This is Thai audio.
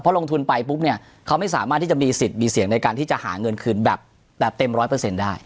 ลงทุนไปปุ๊บเนี่ยเขาไม่สามารถที่จะมีสิทธิ์มีเสียงในการที่จะหาเงินคืนแบบเต็มร้อยเปอร์เซ็นต์ได้